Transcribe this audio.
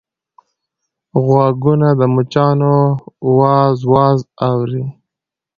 غوږونه د مچانو واز واز اوري